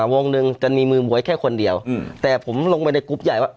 วงหนึ่งจะมีมือบ๊วยแค่คนเดียวแต่ผมลงไปในกรุ๊ปใหญ่ว่า